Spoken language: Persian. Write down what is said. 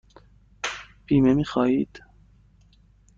بیمه می خواهید؟